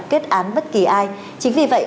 kết án bất kỳ ai chính vì vậy